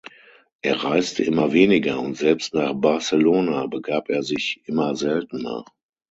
Er reiste immer weniger und selbst nach Barcelona begab er sich immer seltener.